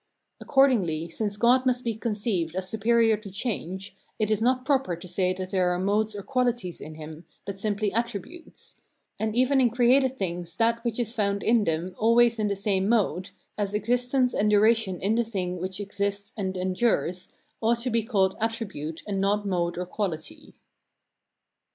Accordingly, since God must be conceived as superior to change, it is not proper to say that there are modes or qualities in him, but simply attributes; and even in created things that which is found in them always in the same mode, as existence and duration in the thing which exists and endures, ought to be called attribute and not mode or quality.